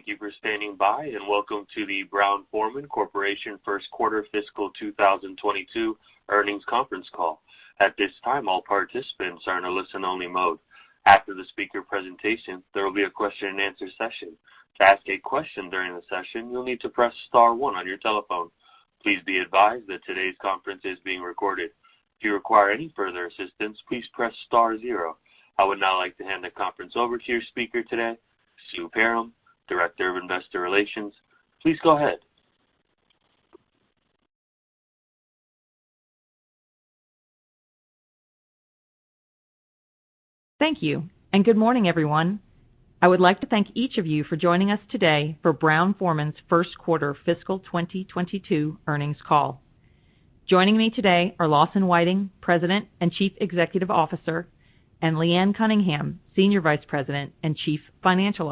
Thank you for standing by, and welcome to the Brown-Forman Corporation First Quarter Fiscal 2022 Earnings Conference Call. At this time, all participants are in a listen-only mode. After the speaker presentation, there will be a question-and-answer session. To ask a question during the session, you'll need to press star one on your telephone. Please be advised that today's conference is being recorded. If you require any further assistance, please press star zero. I would now like to hand the conference over to your speaker today, Sue Perram, Director of Investor Relations. Please go ahead. Thank you. Good morning, everyone. I would like to thank each of you for joining us today for Brown-Forman's first quarter fiscal 2022 earnings call. Joining me today are Lawson Whiting, President and Chief Executive Officer, and Leanne Cunningham, Senior Vice President and Chief Financial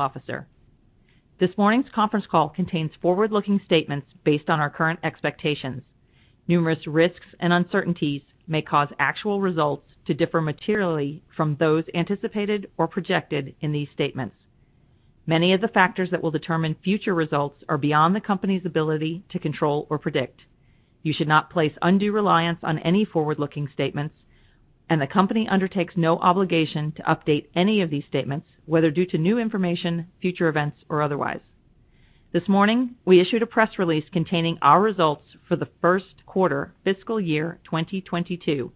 Officer. This morning's conference call contains forward-looking statements based on our current expectations. Numerous risks and uncertainties may cause actual results to differ materially from those anticipated or projected in these statements. Many of the factors that will determine future results are beyond the company's ability to control or predict. You should not place undue reliance on any forward-looking statements, and the company undertakes no obligation to update any of these statements, whether due to new information, future events, or otherwise. This morning, we issued a press release containing our results for the first quarter fiscal year 2022,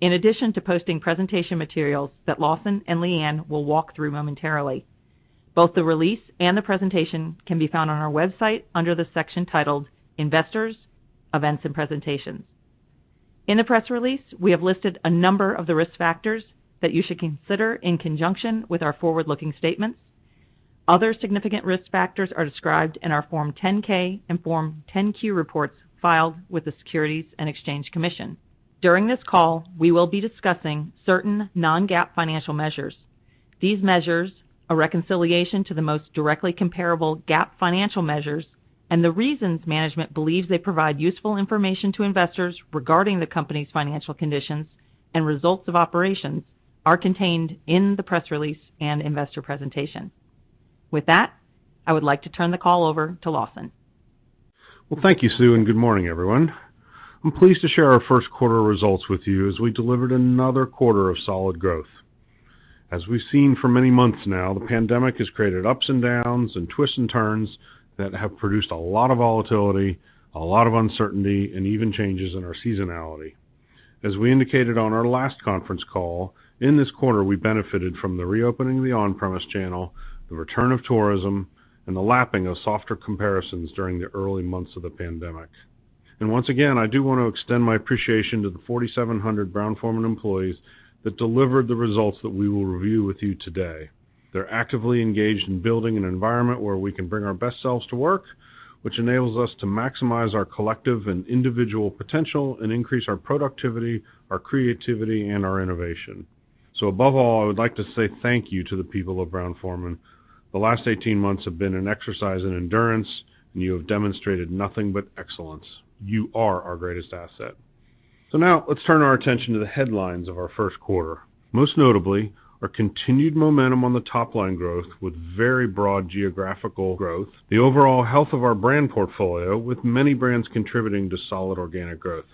in addition to posting presentation materials that Lawson and Leanne will walk through momentarily. Both the release and the presentation can be found on our website under the section titled Investors, Events and Presentations. In the press release, we have listed a number of the risk factors that you should consider in conjunction with our forward-looking statements. Other significant risk factors are described in our Form 10-K and Form 10-Q reports filed with the Securities and Exchange Commission. During this call, we will be discussing certain non-GAAP financial measures. These measures, a reconciliation to the most directly comparable GAAP financial measures, and the reasons management believes they provide useful information to investors regarding the company's financial conditions and results of operations are contained in the press release and investor presentation. With that, I would like to turn the call over to Lawson. Well, thank you, Sue. Good morning, everyone. I'm pleased to share our first quarter results with you as we delivered another quarter of solid growth. As we've seen for many months now, the pandemic has created ups and downs and twists and turns that have produced a lot of volatility, a lot of uncertainty, and even changes in our seasonality. As we indicated on our last conference call, in this quarter, we benefited from the reopening of the on-premise channel, the return of tourism, and the lapping of softer comparisons during the early months of the pandemic. Once again, I do want to extend my appreciation to the 4,700 Brown-Forman employees that delivered the results that we will review with you today. They're actively engaged in building an environment where we can bring our best selves to work, which enables us to maximize our collective and individual potential and increase our productivity, our creativity, and our innovation. Above all, I would like to say thank you to the people of Brown-Forman. The last 18 months have been an exercise in endurance, and you have demonstrated nothing but excellence. You are our greatest asset. Now let's turn our attention to the headlines of our first quarter. Most notably, our continued momentum on the top line growth with very broad geographical growth, the overall health of our brand portfolio with many brands contributing to solid organic growth.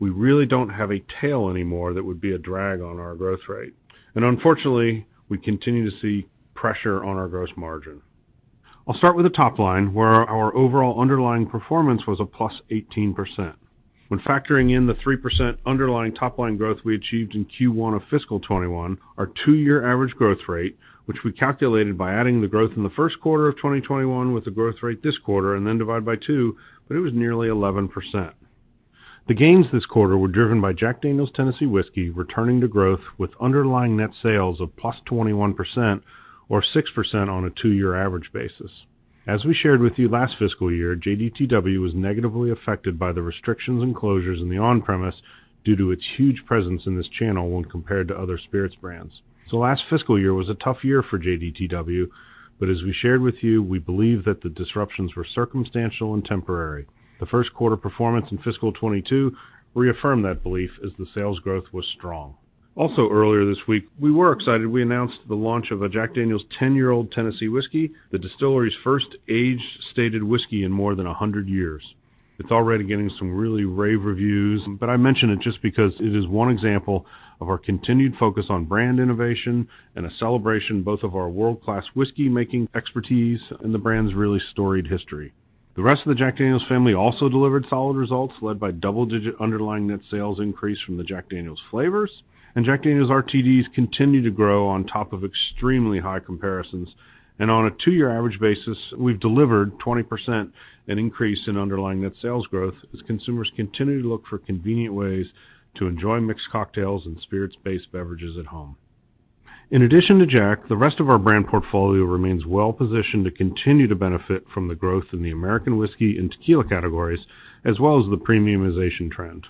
We really don't have a tail anymore that would be a drag on our growth rate. Unfortunately, we continue to see pressure on our gross margin. I'll start with the top line, where our overall underlying performance was a +18%. When factoring in the 3% underlying top-line growth we achieved in Q1 of fiscal 2021, our two-year average growth rate, which we calculated by adding the growth in the first quarter of 2021 with the growth rate this quarter and then divide by two, but it was nearly 11%. The gains this quarter were driven by Jack Daniel's Tennessee Whiskey returning to growth with underlying net sales of +21%, or 6% on a two-year average basis. As we shared with you last fiscal year, JDTW was negatively affected by the restrictions and closures in the on-premise due to its huge presence in this channel when compared to other spirits brands. Last fiscal year was a tough year for JDTW, but as we shared with you, we believe that the disruptions were circumstantial and temporary. The first quarter performance in fiscal 2022 reaffirmed that belief as the sales growth was strong. Also, earlier this week, we were excited. We announced the launch of a Jack Daniel's 10-Year-Old Tennessee Whiskey, the distillery's first age-stated whiskey in more than 100 years. It's already getting some really rave reviews, but I mention it just because it is one example of our continued focus on brand innovation and a celebration both of our world-class whiskey-making expertise and the brand's really storied history. The rest of the Jack Daniel's family also delivered solid results led by double-digit underlying net sales increase from the Jack Daniel's flavors, and Jack Daniel's RTDs continue to grow on top of extremely high comparisons. On a two-year average basis, we've delivered 20% an increase in underlying net sales growth as consumers continue to look for convenient ways to enjoy mixed cocktails and spirits-based beverages at home. In addition to Jack, the rest of our brand portfolio remains well-positioned to continue to benefit from the growth in the American whiskey and tequila categories, as well as the premiumization trend.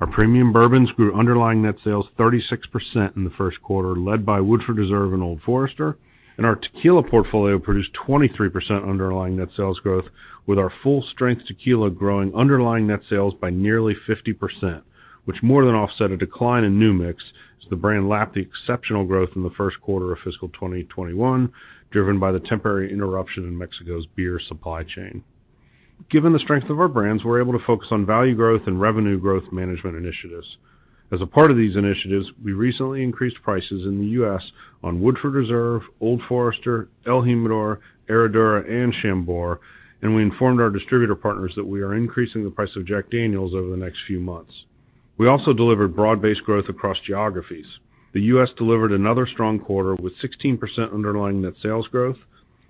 Our premium bourbons grew underlying net sales 36% in the first quarter, led by Woodford Reserve and Old Forester. Our tequila portfolio produced 23% underlying net sales growth, with our full-strength tequila growing underlying net sales by nearly 50%, which more than offset a decline in New Mix as the brand lapped the exceptional growth in the first quarter of fiscal 2021, driven by the temporary interruption in Mexico's beer supply chain. Given the strength of our brands, we're able to focus on value growth and revenue growth management initiatives. As a part of these initiatives, we recently increased prices in the U.S. on Woodford Reserve, Old Forester, el Jimador, Herradura, and Chambord, and we informed our distributor partners that we are increasing the price of Jack Daniel's over the next few months. We also delivered broad-based growth across geographies. The U.S. delivered another strong quarter with 16% underlying net sales growth.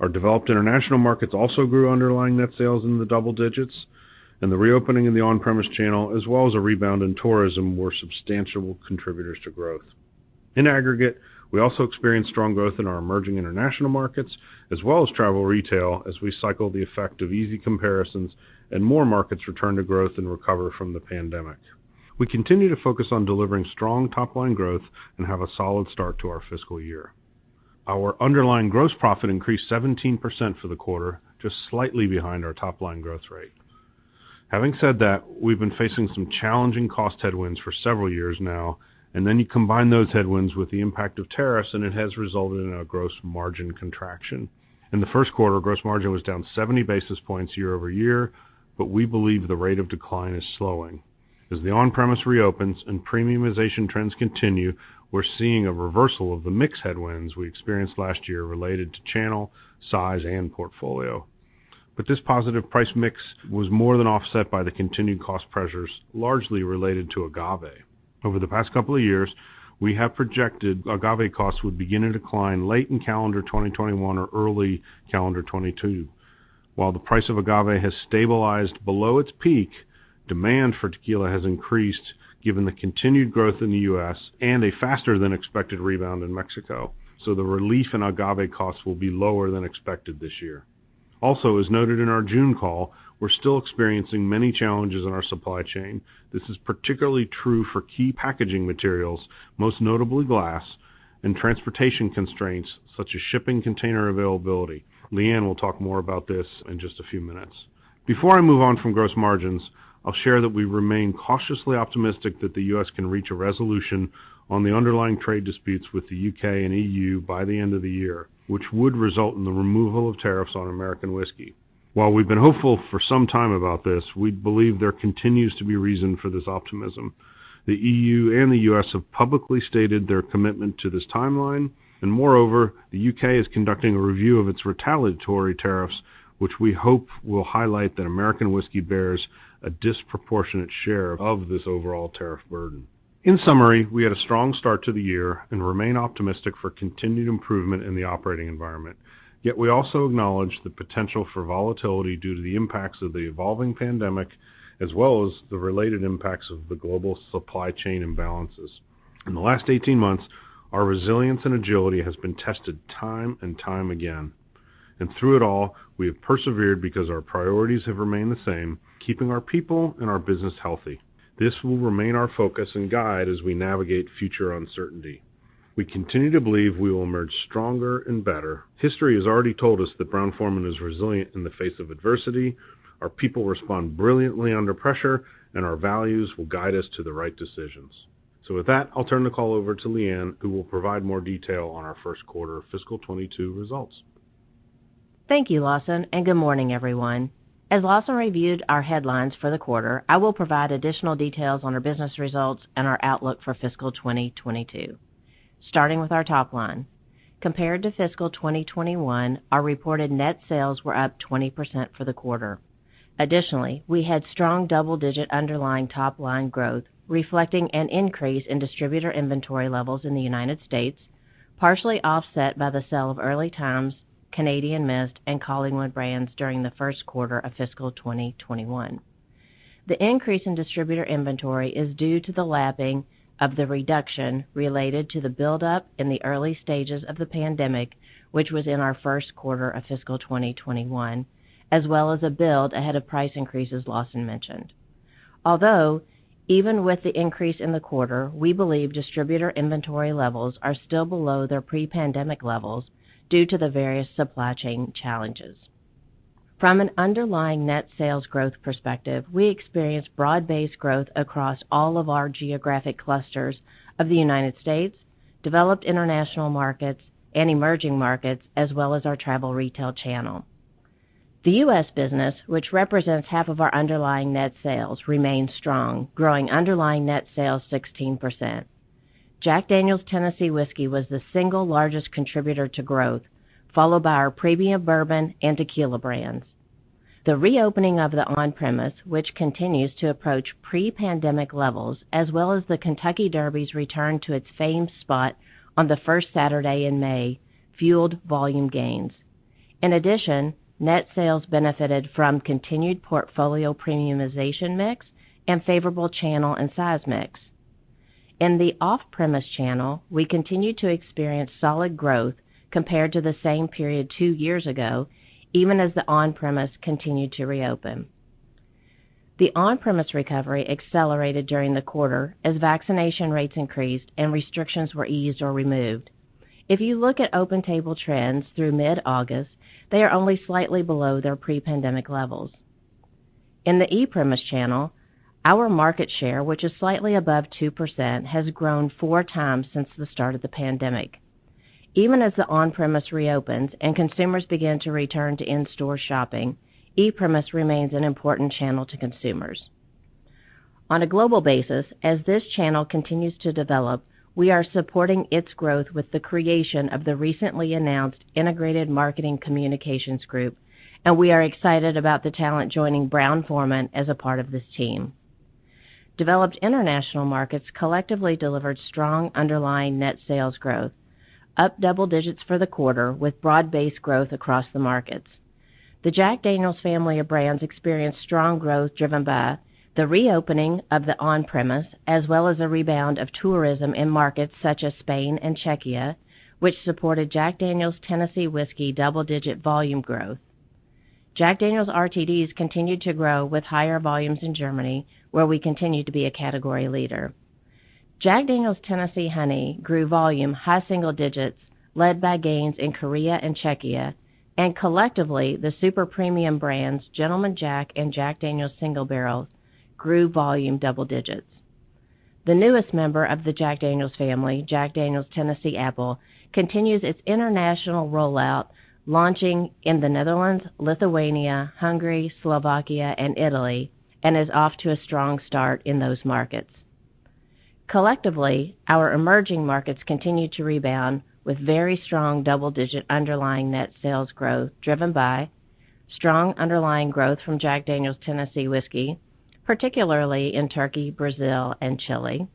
Our developed international markets also grew underlying net sales in the double digits. The reopening of the on-premise channel, as well as a rebound in tourism, were substantial contributors to growth. In aggregate, we also experienced strong growth in our emerging international markets, as well as travel retail, as we cycle the effect of easy comparisons and more markets return to growth and recover from the pandemic. We continue to focus on delivering strong top-line growth and have a solid start to our fiscal year. Our underlying gross profit increased 17% for the quarter, just slightly behind our top-line growth rate. Having said that, we've been facing some challenging cost headwinds for several years now. You combine those headwinds with the impact of tariffs, and it has resulted in a gross margin contraction. In the first quarter, gross margin was down 70 basis points year-over-year, but we believe the rate of decline is slowing. As the on-premise reopens and premiumization trends continue, we're seeing a reversal of the mix headwinds we experienced last year related to channel, size, and portfolio. This positive price mix was more than offset by the continued cost pressures, largely related to agave. Over the past couple of years, we have projected agave costs would begin to decline late in calendar 2021 or early calendar 2022. While the price of agave has stabilized below its peak, demand for tequila has increased given the continued growth in the U.S. and a faster-than-expected rebound in Mexico, so the relief in agave costs will be lower than expected this year. Also, as noted in our June call, we're still experiencing many challenges in our supply chain. This is particularly true for key packaging materials, most notably glass, and transportation constraints such as shipping container availability. Leanne will talk more about this in just a few minutes. Before I move on from gross margins, I'll share that we remain cautiously optimistic that the U.S. can reach a resolution on the underlying trade disputes with the U.K. and EU by the end of the year, which would result in the removal of tariffs on American whiskey. While we've been hopeful for some time about this, we believe there continues to be reason for this optimism. The EU and the U.S. have publicly stated their commitment to this timeline, and moreover, the U.K. is conducting a review of its retaliatory tariffs, which we hope will highlight that American whiskey bears a disproportionate share of this overall tariff burden. In summary, we had a strong start to the year and remain optimistic for continued improvement in the operating environment. We also acknowledge the potential for volatility due to the impacts of the evolving pandemic, as well as the related impacts of the global supply chain imbalances. In the last 18 months, our resilience and agility has been tested time and time again, and through it all, we have persevered because our priorities have remained the same, keeping our people and our business healthy. This will remain our focus and guide as we navigate future uncertainty. We continue to believe we will emerge stronger and better. History has already told us that Brown-Forman is resilient in the face of adversity. Our people respond brilliantly under pressure, and our values will guide us to the right decisions. With that, I'll turn the call over to Leanne, who will provide more detail on our first quarter fiscal 2022 results. Thank you, Lawson, good morning, everyone. As Lawson reviewed our headlines for the quarter, I will provide additional details on our business results and our outlook for fiscal 2022. Starting with our top line, compared to fiscal 2021, our reported net sales were up 20% for the quarter. Additionally, we had strong double-digit underlying top-line growth, reflecting an increase in distributor inventory levels in the United States, partially offset by the sale of Early Times, Canadian Mist, and Collingwood brands during the first quarter of fiscal 2021. The increase in distributor inventory is due to the lapping of the reduction related to the buildup in the early stages of the pandemic, which was in our first quarter of fiscal 2021, as well as a build ahead of price increases, Lawson mentioned. Although, even with the increase in the quarter, we believe distributor inventory levels are still below their pre-pandemic levels due to the various supply chain challenges. From an underlying net sales growth perspective, we experienced broad-based growth across all of our geographic clusters of the United States, developed international markets, and emerging markets, as well as our travel retail channel. The U.S. business, which represents half of our underlying net sales, remains strong, growing underlying net sales 16%. Jack Daniel's Tennessee Whiskey was the single largest contributor to growth, followed by our premium bourbon and tequila brands. The reopening of the on-premise, which continues to approach pre-pandemic levels, as well as the Kentucky Derby's return to its famed spot on the first Saturday in May, fueled volume gains. In addition, net sales benefited from continued portfolio premiumization mix and favorable channel and size mix. In the off-premise channel, we continued to experience solid growth compared to the same period two years ago, even as the on-premise continued to reopen. The on-premise recovery accelerated during the quarter as vaccination rates increased and restrictions were eased or removed. If you look at OpenTable trends through mid-August, they are only slightly below their pre-pandemic levels. In the e-premise channel, our market share, which is slightly above 2%, has grown 4x since the start of the pandemic. Even as the on-premise reopens and consumers begin to return to in-store shopping, e-premise remains an important channel to consumers. On a global basis, as this channel continues to develop, we are supporting its growth with the creation of the recently announced integrated marketing communications group. We are excited about the talent joining Brown-Forman as a part of this team. Developed international markets collectively delivered strong underlying net sales growth, up double digits for the quarter, with broad-based growth across the markets. The Jack Daniel's family of brands experienced strong growth driven by the reopening of the on-premise, as well as a rebound of tourism in markets such as Spain and Czechia, which supported Jack Daniel's Tennessee Whiskey double-digit volume growth. Jack Daniel's RTDs continued to grow with higher volumes in Germany, where we continue to be a category leader. Jack Daniel's Tennessee Honey grew volume high single digits, led by gains in Korea and Czechia, and collectively, the super premium brands Gentleman Jack and Jack Daniel's Single Barrel grew volume double digits. The newest member of the Jack Daniel's family, Jack Daniel's Tennessee Apple, continues its international rollout, launching in the Netherlands, Lithuania, Hungary, Slovakia, and Italy, and is off to a strong start in those markets. Collectively, our emerging markets continue to rebound with very strong double-digit underlying net sales growth, driven by strong underlying growth from Jack Daniel's Tennessee Whiskey, particularly in Turkey, Brazil, and Chile.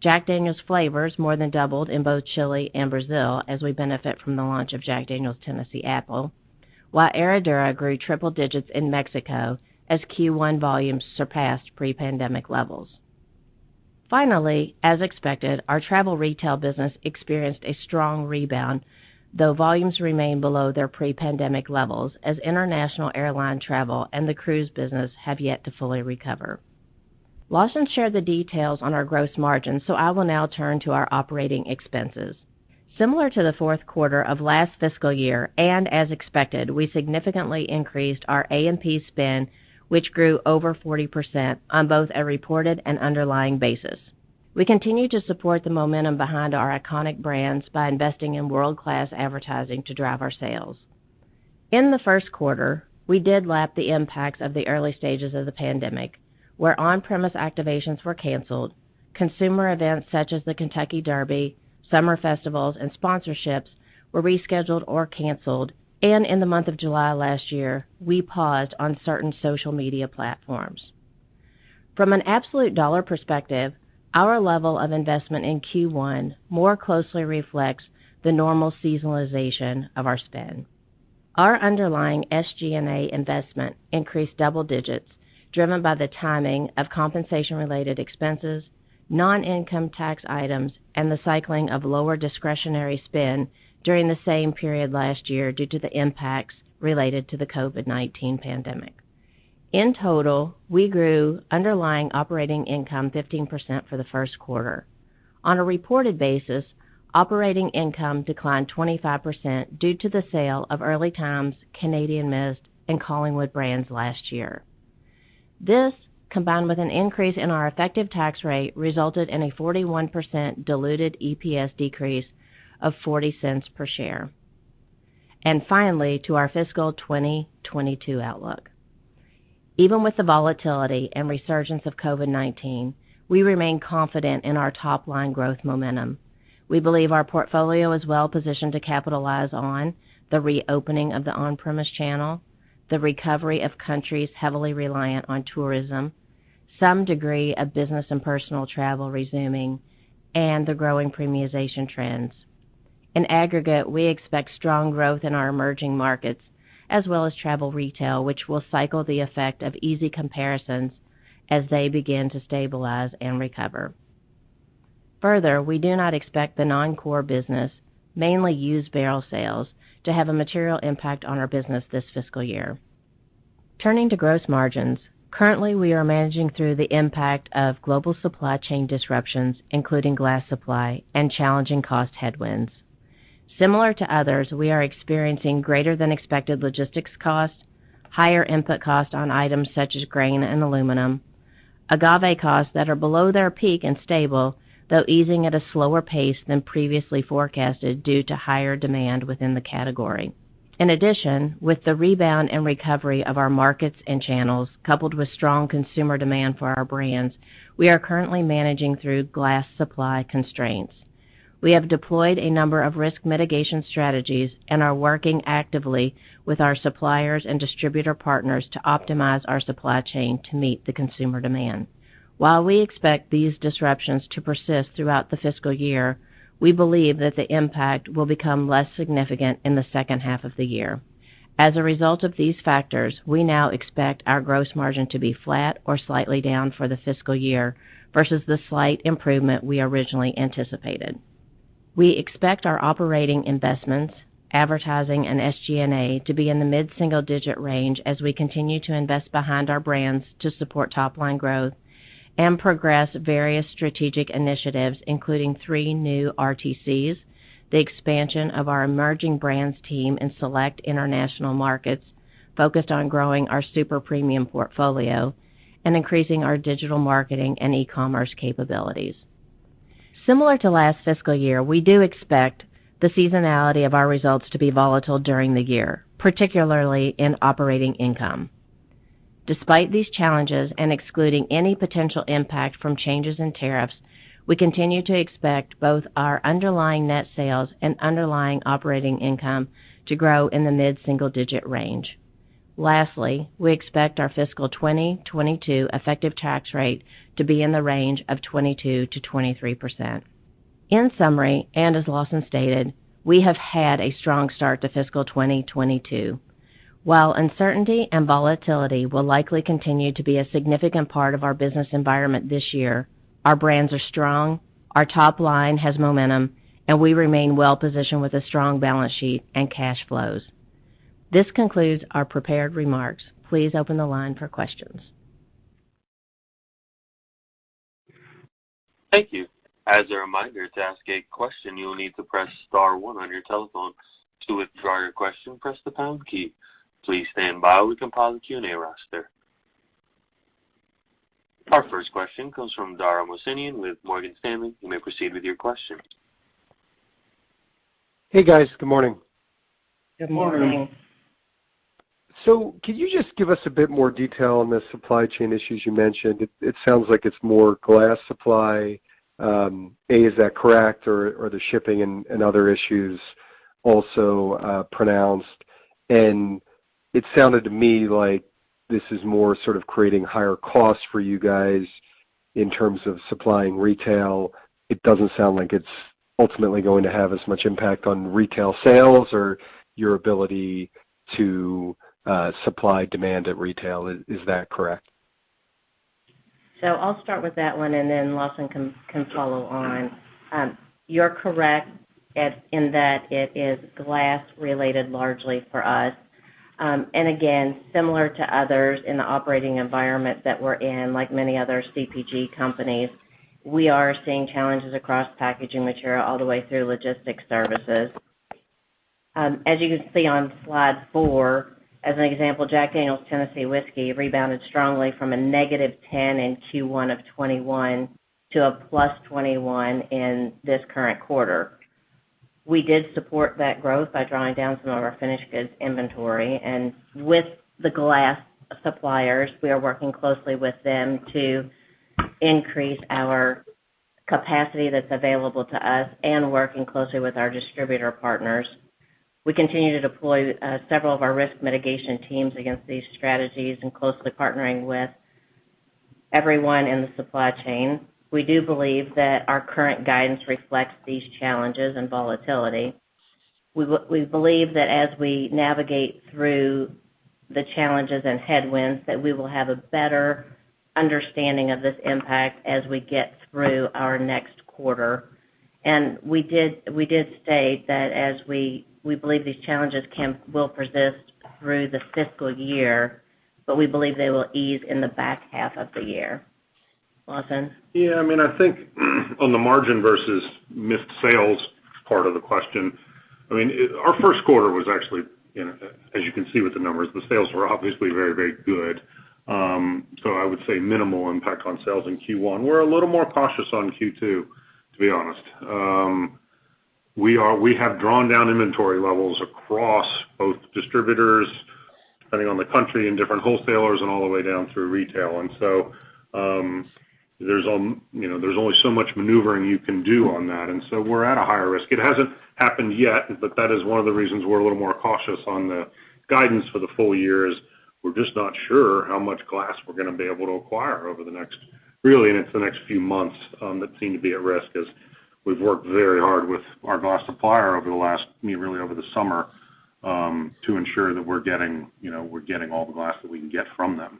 Jack Daniel's flavors more than doubled in both Chile and Brazil as we benefit from the launch of Jack Daniel's Tennessee Apple. While Herradura grew triple digits in Mexico as Q1 volumes surpassed pre-pandemic levels. Finally, as expected, our travel retail business experienced a strong rebound, though volumes remain below their pre-pandemic levels as international airline travel and the cruise business have yet to fully recover. Lawson shared the details on our gross margins, so I will now turn to our operating expenses. Similar to the fourth quarter of last fiscal year, and as expected, we significantly increased our A&P spend, which grew over 40% on both a reported and underlying basis. We continue to support the momentum behind our iconic brands by investing in world-class advertising to drive our sales. In the first quarter, we did lap the impacts of the early stages of the pandemic, where on-premise activations were canceled, consumer events such as the Kentucky Derby, summer festivals, and sponsorships were rescheduled or canceled, and in the month of July last year, we paused on certain social media platforms. From an absolute dollar perspective, our level of investment in Q1 more closely reflects the normal seasonalization of our spend. Our underlying SG&A investment increased double digits, driven by the timing of compensation-related expenses, non-income tax items, and the cycling of lower discretionary spend during the same period last year due to the impacts related to the COVID-19 pandemic. In total, we grew underlying operating income 15% for the first quarter. On a reported basis, operating income declined 25% due to the sale of Early Times, Canadian Mist, and Collingwood brands last year. This, combined with an increase in our effective tax rate, resulted in a 41% diluted EPS decrease of $0.40 per share. Finally, to our fiscal 2022 outlook. Even with the volatility and resurgence of COVID-19, we remain confident in our top-line growth momentum. We believe our portfolio is well-positioned to capitalize on the reopening of the on-premise channel, the recovery of countries heavily reliant on tourism, some degree of business and personal travel resuming, and the growing premiumization trends. In aggregate, we expect strong growth in our emerging markets, as well as travel retail, which will cycle the effect of easy comparisons as they begin to stabilize and recover. Further, we do not expect the non-core business, mainly used barrel sales, to have a material impact on our business this fiscal year. Turning to gross margins, currently, we are managing through the impact of global supply chain disruptions, including glass supply and challenging cost headwinds. Similar to others, we are experiencing greater than expected logistics costs, higher input costs on items such as grain and aluminum, agave costs that are below their peak and stable, though easing at a slower pace than previously forecasted due to higher demand within the category. In addition, with the rebound and recovery of our markets and channels, coupled with strong consumer demand for our brands, we are currently managing through glass supply constraints. We have deployed a number of risk mitigation strategies and are working actively with our suppliers and distributor partners to optimize our supply chain to meet the consumer demand. While we expect these disruptions to persist throughout the fiscal year, we believe that the impact will become less significant in the second half of the year. As a result of these factors, we now expect our gross margin to be flat or slightly down for the fiscal year versus the slight improvement we originally anticipated. We expect our operating investments, advertising, and SG&A to be in the mid-single-digit range as we continue to invest behind our brands to support top-line growth and progress various strategic initiatives, including three new RTCs, the expansion of our emerging brands team in select international markets focused on growing our super premium portfolio, and increasing our digital marketing and e-commerce capabilities. Similar to last fiscal year, we do expect the seasonality of our results to be volatile during the year, particularly in operating income. Despite these challenges, and excluding any potential impact from changes in tariffs, we continue to expect both our underlying net sales and underlying operating income to grow in the mid-single-digit range. Lastly, we expect our fiscal 2022 effective tax rate to be in the range of 22%-23%. In summary, and as Lawson stated, we have had a strong start to fiscal 2022. While uncertainty and volatility will likely continue to be a significant part of our business environment this year, our brands are strong, our top line has momentum, and we remain well-positioned with a strong balance sheet and cash flows. This concludes our prepared remarks. Please open the line for questions. Thank you. As a reminder, to ask a question, you will need to press star one on your telephone. To withdraw your question, press the pound key. Please stand by while we compile a Q&A roster. Our first question comes from Dara Mohsenian with Morgan Stanley. You may proceed with your question. Hey, guys. Good morning. Good morning. Good morning. Could you just give us a bit more detail on the supply chain issues you mentioned? It sounds like it's more glass supply. Is that correct, or are the shipping and other issues also pronounced? It sounded to me like this is more sort of creating higher costs for you guys in terms of supplying retail. It doesn't sound like it's ultimately going to have as much impact on retail sales or your ability to supply demand at retail. Is that correct? I'll start with that one, and then Lawson can follow on. You're correct in that it is glass-related largely for us. Again, similar to others in the operating environment that we're in, like many other CPG companies, we are seeing challenges across packaging material all the way through logistics services. As you can see on slide four, as an example, Jack Daniel's Tennessee Whiskey rebounded strongly from a -10% in Q1 of 2021 to a +21% in this current quarter. We did support that growth by drawing down some of our finished goods inventory. With the glass suppliers, we are working closely with them to increase our capacity that's available to us and working closely with our distributor partners. We continue to deploy several of our risk mitigation teams against these strategies and closely partnering with everyone in the supply chain. We do believe that our current guidance reflects these challenges and volatility. We believe that as we navigate through the challenges and headwinds, that we will have a better understanding of this impact as we get through our next quarter. We did state that as we believe these challenges will persist through the fiscal year, but we believe they will ease in the back half of the year. Lawson? Yeah, I think on the margin versus missed sales part of the question, our first quarter was actually, as you can see with the numbers, the sales were obviously very, very good. I would say minimal impact on sales in Q1. We're a little more cautious on Q2, to be honest. We have drawn down inventory levels across both distributors, depending on the country, and different wholesalers, and all the way down through retail. There's only so much maneuvering you can do on that. We're at a higher risk. It hasn't happened yet, but that is one of the reasons we're a little more cautious on the guidance for the full year is we're just not sure how much glass we're going to be able to acquire over the next few months that seem to be at risk, as we've worked very hard with our glass supplier over the last, really over the summer, to ensure that we're getting all the glass that we can get from them.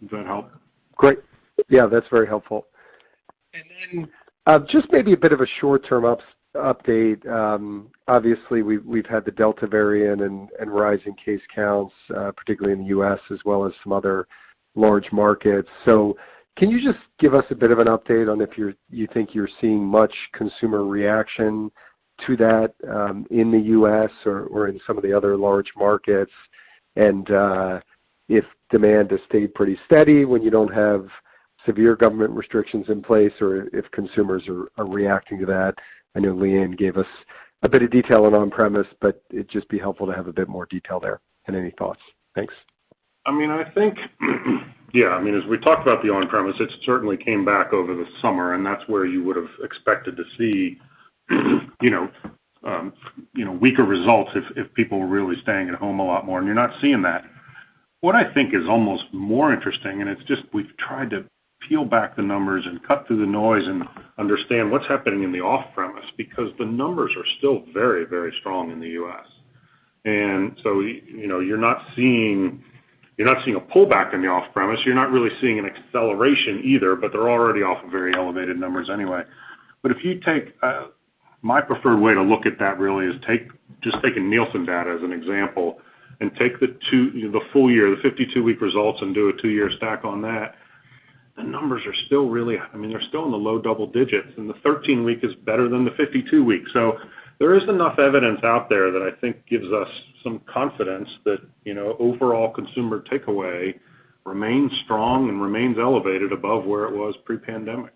Does that help? Great. Yeah, that's very helpful. Just maybe a bit of a short-term update. Obviously we've had the Delta variant and rising case counts, particularly in the U.S. as well as some other large markets. Can you just give us a bit of an update on if you think you're seeing much consumer reaction to that in the U.S. or in some of the other large markets? If demand has stayed pretty steady when you don't have severe government restrictions in place, or if consumers are reacting to that. I know Leanne gave us a bit of detail on on-premise, it'd just be helpful to have a bit more detail there and any thoughts. Thanks. As we talked about the on-premise, it certainly came back over the summer, that's where you would've expected to see weaker results if people were really staying at home a lot more, and you're not seeing that. What I think is almost more interesting, it's just we've tried to peel back the numbers and cut through the noise and understand what's happening in the off-premise, because the numbers are still very, very strong in the U.S. You're not seeing a pullback in the off-premise. You're not really seeing an acceleration either, but they're already off of very elevated numbers anyway. My preferred way to look at that really is just take a Nielsen data as an example, and take the full year, the 52-week results, and do a two-year stack on that. The numbers are still in the low double digits, and the 13-week is better than the 52-week. There is enough evidence out there that I think gives us some confidence that overall consumer takeaway remains strong and remains elevated above where it was pre-pandemic.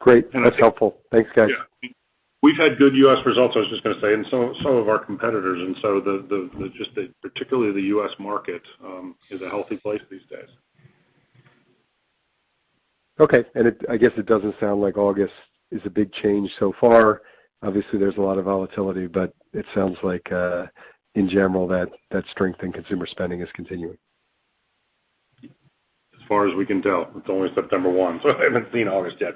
Great. That's helpful. Thanks, guys. Yeah. We've had good U.S. results, I was just going to say, and so have our competitors. Particularly the U.S. market, is a healthy place these days. Okay. I guess it doesn't sound like August is a big change so far. Obviously, there's a lot of volatility, but it sounds like, in general, that strength in consumer spending is continuing. As far as we can tell. It's only September 1, so I haven't seen August yet.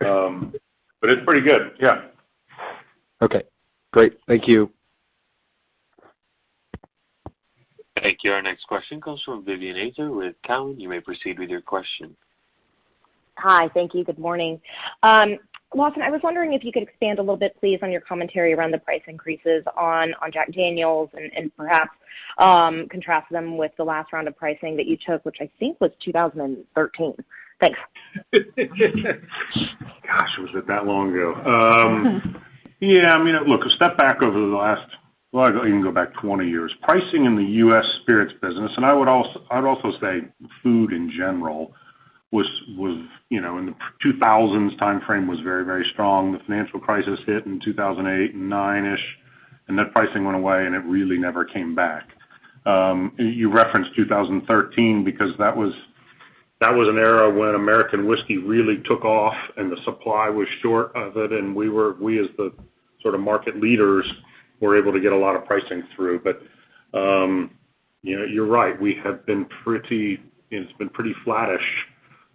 It's pretty good. Yeah. Okay, great. Thank you. Thank you. Our next question comes from Vivien Azer with Cowen. You may proceed with your question. Hi. Thank you. Good morning. Lawson, I was wondering if you could expand a little bit, please, on your commentary around the price increases on Jack Daniel's and, perhaps, contrast them with the last round of pricing that you took, which I think was 2013. Thanks. Gosh, was it that long ago? Yeah. A step back over the last, well, you can go back 20 years. Pricing in the U.S. spirits business, and I'd also say food in general, in the 2000s timeframe, was very, very strong. The financial crisis hit in 2008 and 2009-ish, that pricing went away, it really never came back. You referenced 2013 because that was an era when American whiskey really took off, the supply was short of it, and we, as the market leaders, were able to get a lot of pricing through. You're right. It's been pretty flattish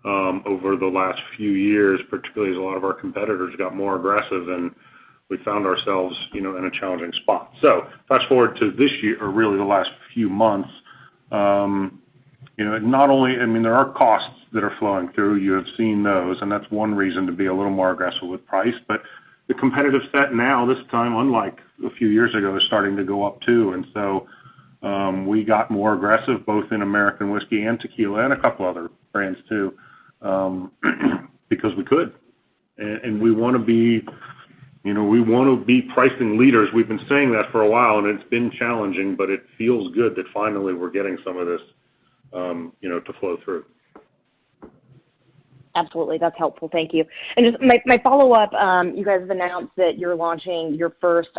over the last few years, particularly as a lot of our competitors got more aggressive, and we found ourselves in a challenging spot. Fast-forward to this year, or really the last few months. There are costs that are flowing through. You have seen those, and that's one reason to be a little more aggressive with price. The competitive set now, this time, unlike a few years ago, is starting to go up, too. We got more aggressive, both in American whiskey and tequila, and a couple of other brands too, because we could. We want to be pricing leaders. We've been saying that for a while, and it's been challenging, but it feels good that finally we're getting some of this to flow through. Absolutely. That's helpful. Thank you. Just my follow-up, you guys have announced that you're launching your first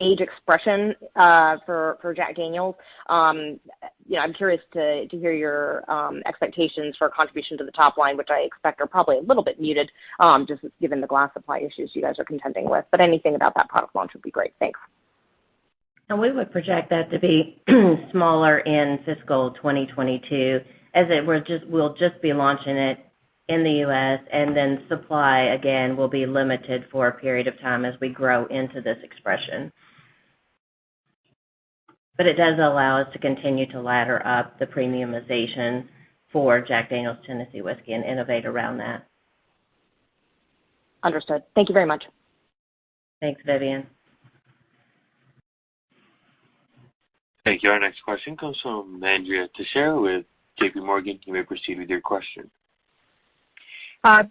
age expression for Jack Daniel's. I'm curious to hear your expectations for contribution to the top line, which I expect are probably a little bit muted, just given the glass supply issues you guys are contending with. Anything about that product launch would be great. Thanks. We would project that to be smaller in fiscal 2022, as we'll just be launching it in the U.S., and then supply, again, will be limited for a period of time as we grow into this expression. It does allow us to continue to ladder up the premiumization for Jack Daniel's Tennessee Whiskey and innovate around that. Understood. Thank you very much. Thanks, Vivien. Thank you. Our next question comes from Andrea Teixeira with JPMorgan. You may proceed with your question.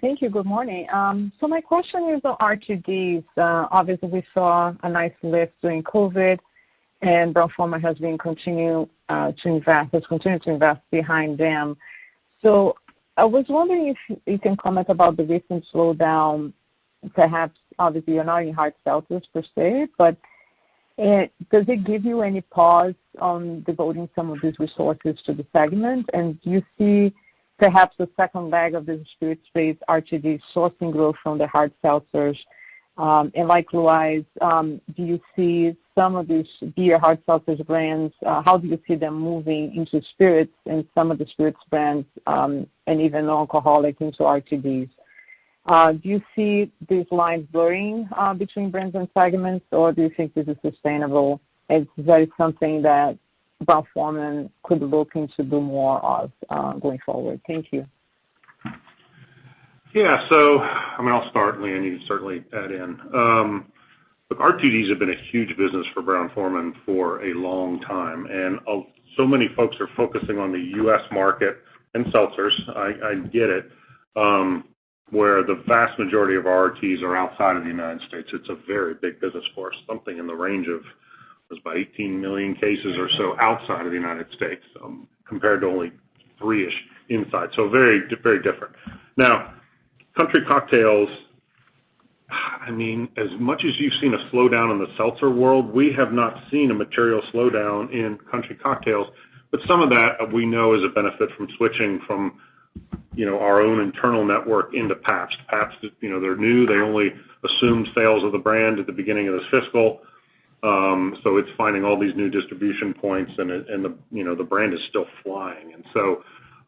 Thank you. Good morning. My question is on RTDs. Obviously, we saw a nice lift during COVID, and Brown-Forman has been continuing to invest behind them. I was wondering if you can comment about the recent slowdown, perhaps. Obviously, you're not in hard seltzers per se, but does it give you any pause on devoting some of these resources to the segment? Do you see, perhaps, a second leg of the spirit space RTDs sourcing growth from the hard seltzers? Likewise, do you see some of these beer hard seltzers brands, how do you see them moving into spirits and some of the spirits brands, and even alcoholic into RTDs? Do you see these lines blurring between brands and segments, or do you think this is sustainable, and is that something that Brown-Forman could look into do more of going forward? Thank you. I'll start, and Leanne, you can certainly add in. Look, RTDs have been a huge business for Brown-Forman for a long time. Many folks are focusing on the U.S. market and seltzers, I get it, where the vast majority of RTDs are outside of the United States. It's a very big business for us, something in the range of, what is it, by 18 million cases or so outside of the United States, compared to only 3 million-ish inside. Very different. Now, Country Cocktails, as much as you've seen a slowdown in the seltzer world, we have not seen a material slowdown in Country Cocktails. Some of that, we know is a benefit from switching from our own internal network into Pabst. Pabst, they're new. They only assumed sales of the brand at the beginning of this fiscal. It's finding all these new distribution points, and the brand is still flying.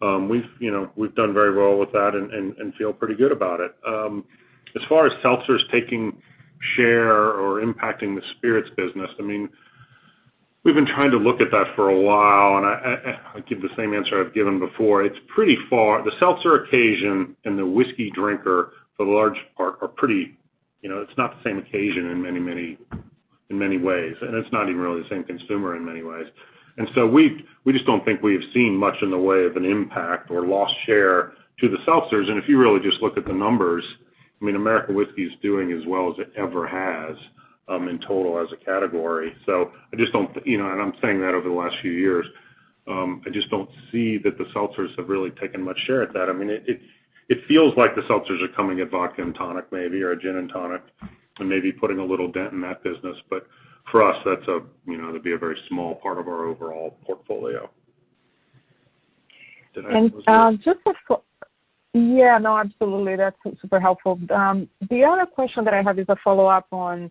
We've done very well with that and feel pretty good about it. As far as seltzers taking share or impacting the spirits business, we've been trying to look at that for a while, and I give the same answer I've given before. It's pretty far. The seltzer occasion and the whiskey drinker, for the large part, it's not the same occasion in many ways, and it's not even really the same consumer in many ways. We just don't think we have seen much in the way of an impact or lost share to the seltzers. If you really just look at the numbers, American whiskey is doing as well as it ever has in total as a category. I'm saying that over the last few years. I just don't see that the seltzers have really taken much share at that. It feels like the seltzers are coming at vodka and tonic maybe, or a gin and tonic, and maybe putting a little dent in that business. For us, that'd be a very small part of our overall portfolio. Did I answer? Yeah, no, absolutely. That's super helpful. The other question that I have is a follow-up on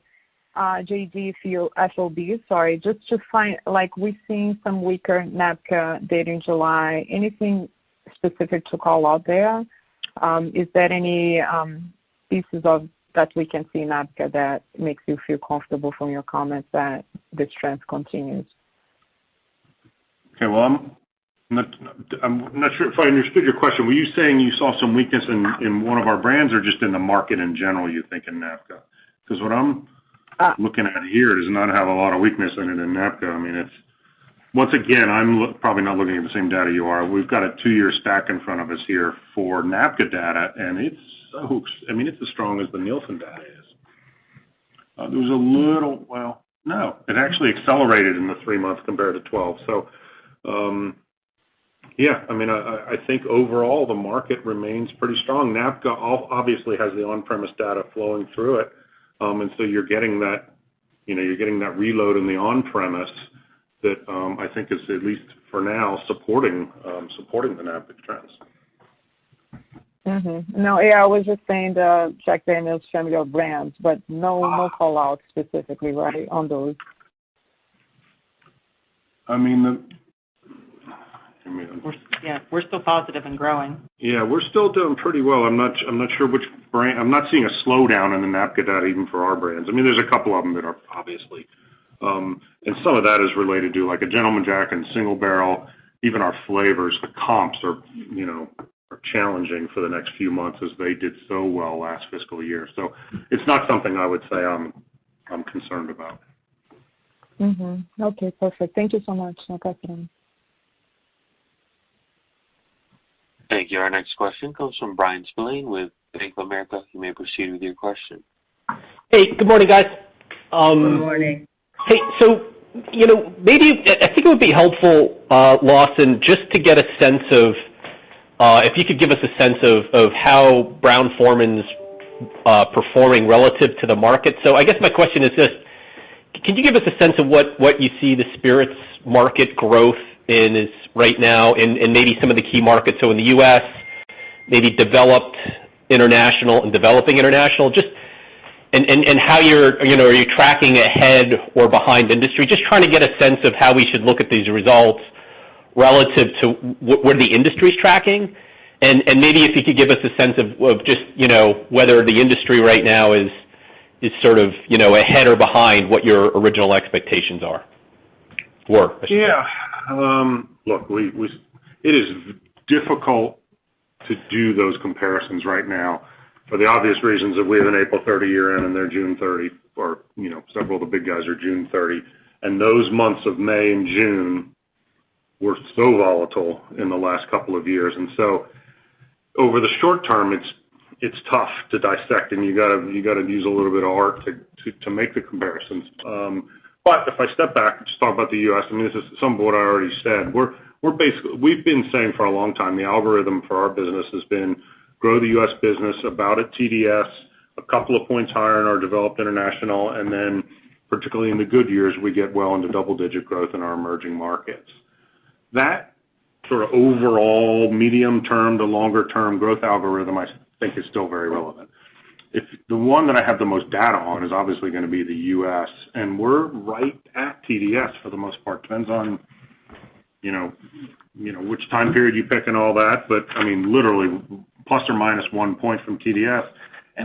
[JDQSOB], sorry. Just to find, we've seen some weaker NABCA data in July. Anything specific to call out there? Is there any pieces that we can see in NABCA that makes you feel comfortable from your comments that this trend continues? Okay. I'm not sure if I understood your question. Were you saying you saw some weakness in one of our brands or just in the market in general, you think in NABCA? Because what I'm looking at here does not have a lot of weakness in it in NABCA. Once again, I'm probably not looking at the same data you are. We've got a two-year stack in front of us here for NABCA data, and it's as strong as the Nielsen data is. There was a little, well, no, it actually accelerated in the three months compared to 12. Yeah. I think overall, the market remains pretty strong. NABCA obviously has the on-premise data flowing through it. You're getting that reload in the on-premise that I think is, at least for now, supporting the NABCA trends. Mm-hmm. No, yeah, I was just saying the Jack Daniel's, some of your brands, but no call-outs specifically, right, on those. I mean- Yeah, we're still positive and growing. Yeah, we're still doing pretty well. I'm not seeing a slowdown in the NABCA data, even for our brands. There's a couple of them that are, obviously. Some of that is related to like a Gentleman Jack and Single Barrel. Even our flavors, the comps are challenging for the next few months as they did so well last fiscal year. It's not something I would say I'm concerned about. Mm-hmm. Okay, perfect. Thank you so much. No question. Thank you. Our next question comes from Bryan Spillane with Bank of America. You may proceed with your question. Hey, good morning, guys. Good morning. Hey, maybe, I think it would be helpful, Lawson, just to get a sense of, if you could give us a sense of how Brown-Forman's performing relative to the market. I guess my question is this: can you give us a sense of what you see the spirits market growth is right now and maybe some of the key markets, so in the U.S., maybe developed international and developing international, and how you're tracking ahead or behind industry. Just trying to get a sense of how we should look at these results relative to where the industry's tracking. Maybe if you could give us a sense of just whether the industry right now is sort of ahead or behind what your original expectations were, I should say. Yeah. Look, it is difficult to do those comparisons right now for the obvious reasons of we have an April 30 year-end, and they're June 30, or several of the big guys are June 30. Those months of May and June were so volatile in the last couple of years. Over the short-term, it's tough to dissect, and you gotta use a little bit of art to make the comparisons. If I step back and just talk about the U.S., and this is some of what I already said. We've been saying for a long time, the algorithm for our business has been grow the U.S. business about at TDS, a couple of points higher in our developed international, and then particularly in the good years, we get well into double-digit growth in our emerging markets. That sort of overall medium-term to longer term growth algorithm, I think, is still very relevant. The one that I have the most data on is obviously going to be the U.S., and we're right at TDS for the most part. Depends on which time period you pick and all that, literally, ±1 point from TDS.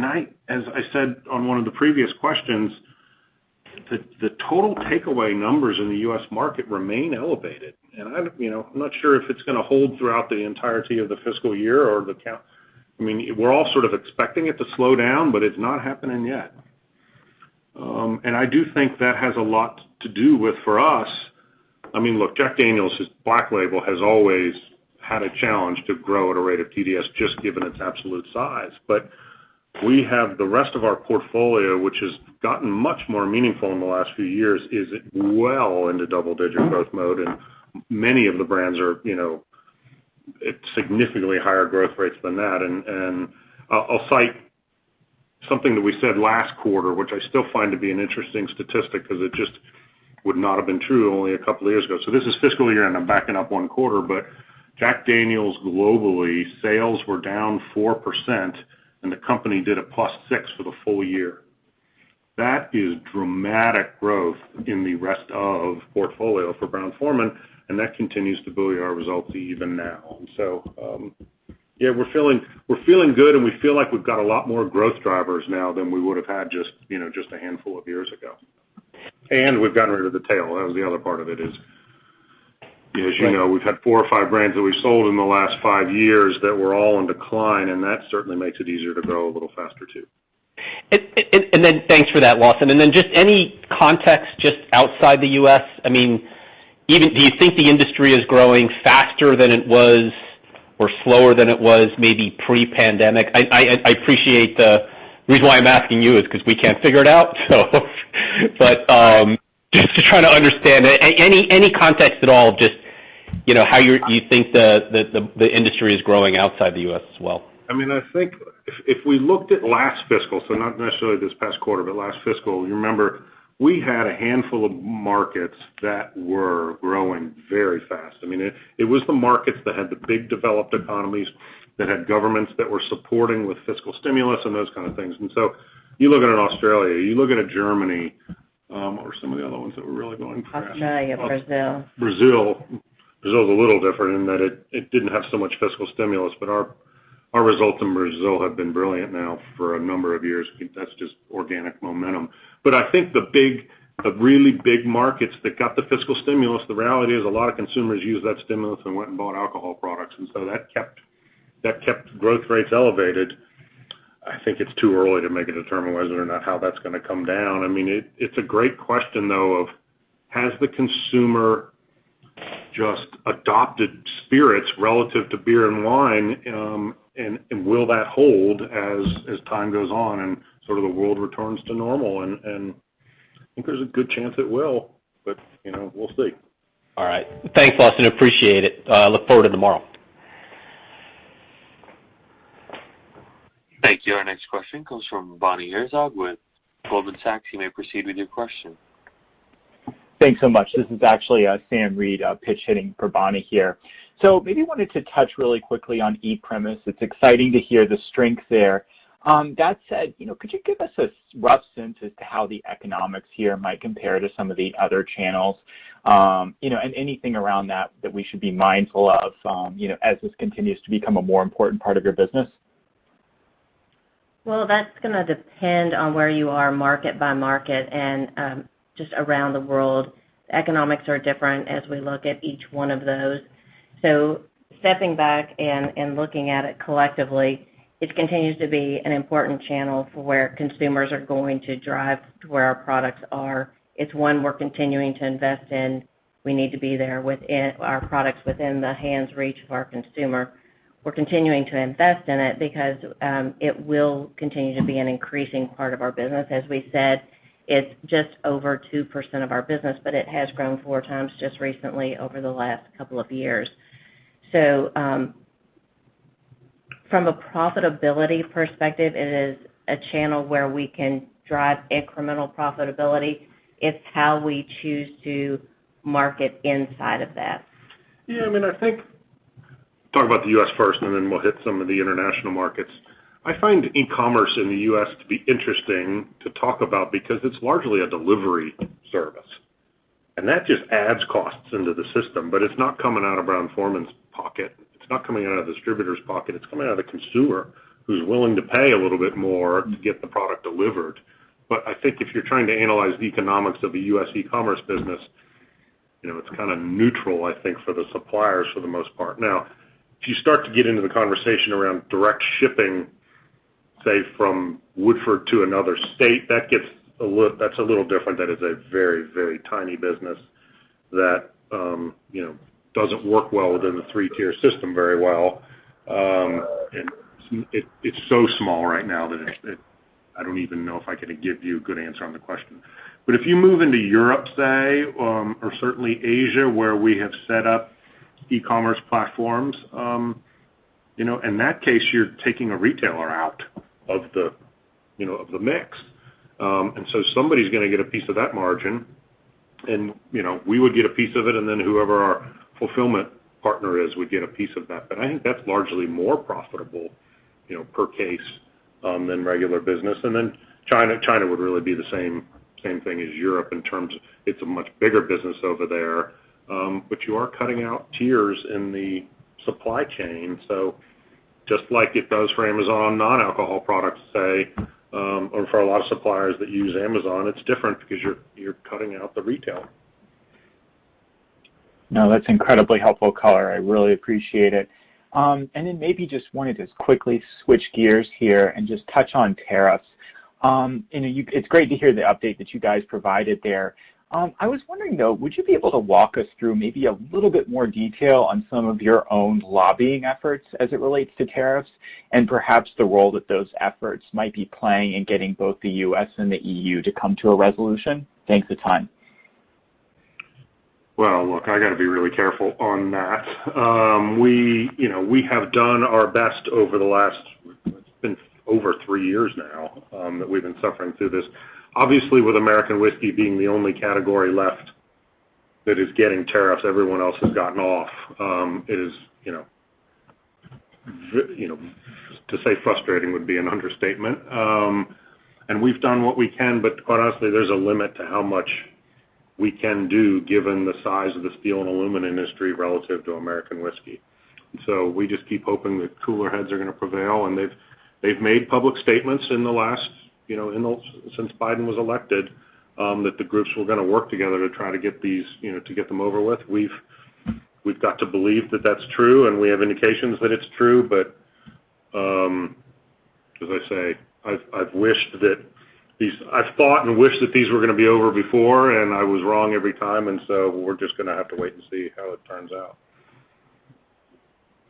As I said on one of the previous questions, the total takeaway numbers in the U.S. market remain elevated. I'm not sure if it's going to hold throughout the entirety of the fiscal year or, I mean, we're all sort of expecting it to slow down, but it's not happening yet. I do think that has a lot to do with, for us, Jack Daniel's Black Label has always had a challenge to grow at a rate of TDS, just given its absolute size. We have the rest of our portfolio, which has gotten much more meaningful in the last few years, is well into double-digit growth mode, and many of the brands are at significantly higher growth rates than that. I'll cite something that we said last quarter, which I still find to be an interesting statistic because it just would not have been true only a couple of years ago. This is fiscal year, and I'm backing up one quarter, but Jack Daniel's globally, sales were down 4%, and the company did a +6% for the full year. That is dramatic growth in the rest of portfolio for Brown-Forman, and that continues to buoy our results even now. Yeah, we're feeling good, and we feel like we've got a lot more growth drivers now than we would have had just a handful of years ago. We've gotten rid of the tail. That was the other part of it is, as you know, we've had four or five brands that we've sold in the last five years that were all in decline. That certainly makes it easier to grow a little faster, too. Thanks for that, Lawson. Then just any context just outside the U.S.? Do you think the industry is growing faster than it was or slower than it was maybe pre-pandemic? The reason why I'm asking you is because we can't figure it out. Just to try to understand, any context at all of just how you think the industry is growing outside the U.S. as well? I think if we looked at last fiscal, so not necessarily this past quarter, but last fiscal, you remember, we had a handful of markets that were growing very fast. It was the markets that had the big developed economies, that had governments that were supporting with fiscal stimulus and those kind of things. You look at an Australia, you look at a Germany, what were some of the other ones that were really growing fast? Australia, Brazil. Brazil. Brazil is a little different in that it didn't have so much fiscal stimulus, but our results in Brazil have been brilliant now for a number of years. I think that's just organic momentum. I think the really big markets that got the fiscal stimulus, the reality is a lot of consumers used that stimulus and went and bought alcohol products. That kept growth rates elevated. I think it's too early to make a determination on how that's going to come down. It's a great question, though, of has the consumer just adopted spirits relative to beer and wine, and will that hold as time goes on and sort of the world returns to normal? I think there's a good chance it will, but we'll see. All right. Thanks, Lawson. Appreciate it. Look forward to tomorrow. Thank you. Our next question comes from Bonnie Herzog with Goldman Sachs. You may proceed with your question. Thanks so much. This is actually Sam Reid pitch hitting for Bonnie here. Maybe wanted to touch really quickly on e-premise. It's exciting to hear the strength there. That said, could you give us a rough sense as to how the economics here might compare to some of the other channels? Anything around that we should be mindful of as this continues to become a more important part of your business? That's going to depend on where you are market by market and just around the world. Economics are different as we look at each one of those. Stepping back and looking at it collectively, it continues to be an important channel for where consumers are going to drive to where our products are. It's one we're continuing to invest in. We need to be there with our products within the hands reach of our consumer. We're continuing to invest in it because it will continue to be an increasing part of our business. As we said, it's just over 2% of our business, but it has grown 4x just recently over the last couple of years. From a profitability perspective, it is a channel where we can drive incremental profitability. It's how we choose to market inside of that. Yeah, I think, talk about the U.S. first, and then we'll hit some of the international markets. I find e-commerce in the U.S. to be interesting to talk about because it's largely a delivery service, and that just adds costs into the system, but it's not coming out of Brown-Forman's pocket. It's not coming out of the distributor's pocket. It's coming out of the consumer who's willing to pay a little bit more to get the product delivered. I think if you're trying to analyze the economics of the U.S. e-commerce business, it's kind of neutral, I think, for the suppliers for the most part. Now, if you start to get into the conversation around direct shipping, say from Woodford to another state, that's a little different. That is a very, very tiny business that doesn't work well within the three-tier system very well. It's so small right now that I don't even know if I can give you a good answer on the question. If you move into Europe, say, or certainly Asia, where we have set up e-commerce platforms, in that case, you're taking a retailer out of the mix. Somebody's going to get a piece of that margin. We would get a piece of it, and then whoever our fulfillment partner is would get a piece of that. I think that's largely more profitable per case than regular business. China would really be the same thing as Europe in terms of it's a much bigger business over there. You are cutting out tiers in the supply chain. Just like it does for Amazon non-alcohol products, say, or for a lot of suppliers that use Amazon, it's different because you're cutting out the retail. No, that's incredibly helpful color. I really appreciate it. Maybe just wanted to quickly switch gears here and just touch on tariffs. It's great to hear the update that you guys provided there. I was wondering, though, would you be able to walk us through maybe a little bit more detail on some of your own lobbying efforts as it relates to tariffs and perhaps the role that those efforts might be playing in getting both the U.S. and the EU to come to a resolution? Thanks a ton. Well, look, I got to be really careful on that. We have done our best over the last, it's been over three years now, that we've been suffering through this. Obviously, with American whiskey being the only category left that is getting tariffs, everyone else has gotten off. It is, to say frustrating would be an understatement. We've done what we can, but quite honestly, there's a limit to how much we can do given the size of the steel and aluminum industry relative to American whiskey. We just keep hoping that cooler heads are going to prevail. They've made public statements since Biden was elected that the groups were going to work together to try to get them over with. We've got to believe that that's true. We have indications that it's true. As I say, I've thought and wished that these were going to be over before. I was wrong every time. We're just going to have to wait and see how it turns out.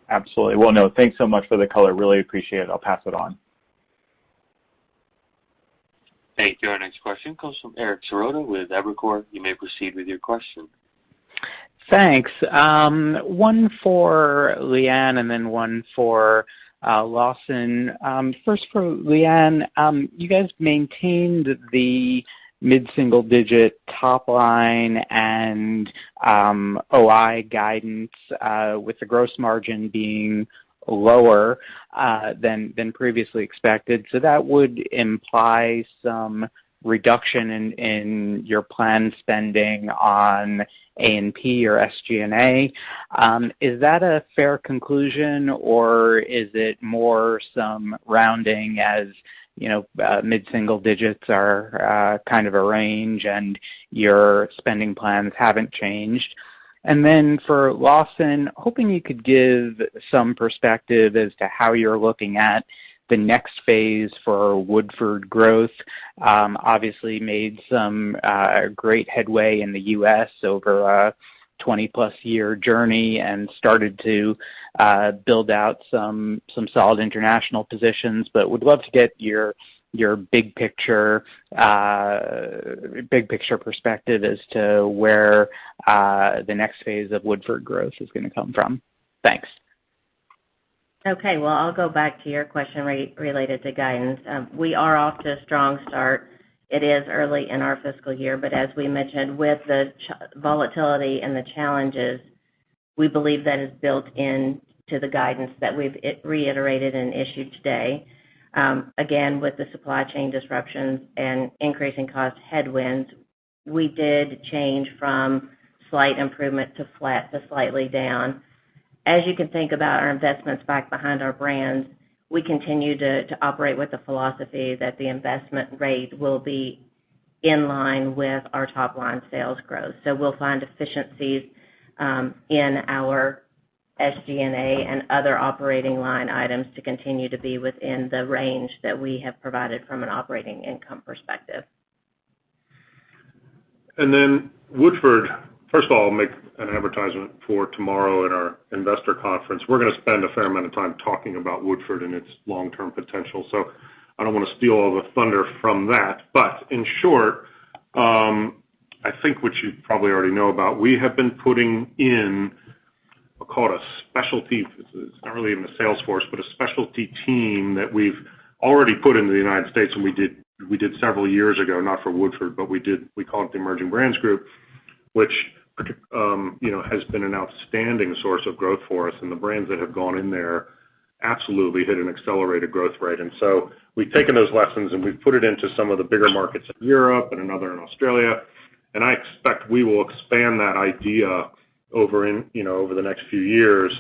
Absolutely. Well, no, thanks so much for the color. Really appreciate it. I'll pass it on. Thank you. Our next question comes from Eric Serotta with Evercore. You may proceed with your question. Thanks. One for Leanne and then one for Lawson. First for Leanne, you guys maintained the mid-single-digit top line and OI guidance, with the gross margin being lower than previously expected. That would imply some reduction in your planned spending on A&P or SG&A. Is that a fair conclusion, or is it more some rounding as mid-single digits are kind of a range and your spending plans haven't changed? For Lawson, hoping you could give some perspective as to how you're looking at the next phase for Woodford growth. Obviously made some great headway in the U.S. over a 20+ year journey and started to build out some solid international positions. Would love to get your big picture perspective as to where the next phase of Woodford growth is going to come from. Thanks. Okay. Well, I'll go back to your question related to guidance. We are off to a strong start. It is early in our fiscal year, but as we mentioned, with the volatility and the challenges, we believe that is built into the guidance that we've reiterated and issued today. Again, with the supply chain disruptions and increasing cost headwinds, we did change from slight improvement to flat to slightly down. As you can think about our investments back behind our brands, we continue to operate with the philosophy that the investment rate will be in line with our top-line sales growth. We'll find efficiencies in our SG&A and other operating line items to continue to be within the range that we have provided from an operating income perspective. Woodford, first of all, I'll make an advertisement for tomorrow at our investor conference. We're going to spend a fair amount of time talking about Woodford and its long-term potential. I don't want to steal all the thunder from that. In short, I think what you probably already know about, we have been putting in, I call it a specialty. It's not really in the sales force, but a specialty team that we've already put into the United States, and we did several years ago, not for Woodford, but we call it the Emerging Brands Group, which has been an outstanding source of growth for us. The brands that have gone in there absolutely hit an accelerated growth rate. We've taken those lessons, and we've put it into some of the bigger markets in Europe and another in Australia. I expect we will expand that idea over the next few years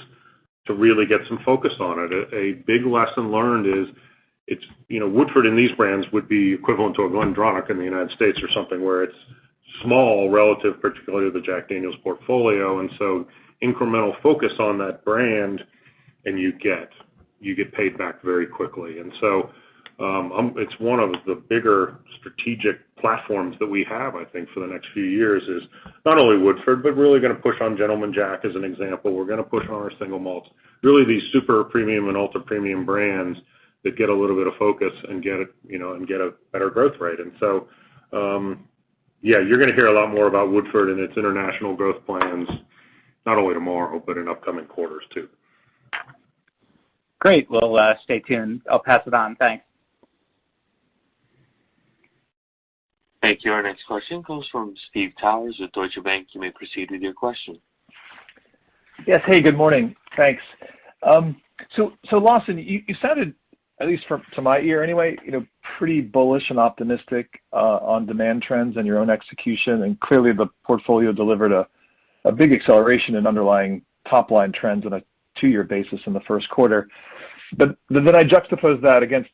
to really get some focus on it. A big lesson learned is Woodford and these brands would be equivalent to a Glenfiddich in the United States or something, where it's small relative, particularly the Jack Daniel's portfolio. Incremental focus on that brand, and you get paid back very quickly. It's one of the bigger strategic platforms that we have, I think, for the next few years is not only Woodford, but really going to push on Gentleman Jack as an example. We're going to push on our single malts, really these super premium and ultra premium brands that get a little bit of focus and get a better growth rate. Yeah, you're going to hear a lot more about Woodford and its international growth plans, not only tomorrow, but in upcoming quarters too. Great. Well, stay tuned. I'll pass it on. Thanks. Thank you. Our next question comes from Steve Powers with Deutsche Bank. You may proceed with your question. Yes. Hey, good morning. Thanks. Lawson, you sounded, at least to my ear anyway, pretty bullish and optimistic on demand trends and your own execution. Clearly, the portfolio delivered a big acceleration in underlying top-line trends on a two-year basis in the first quarter. I juxtapose that against